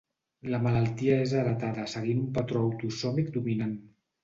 La malaltia és heretada seguint un patró autosòmic dominant.